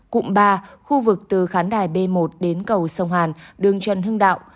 cụm ba khu vực từ khán đài b một đến cầu sông hàn đường trần hưng đạo